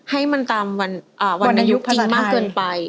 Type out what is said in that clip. ให้มันตามวันอายุจริงมากเกินไป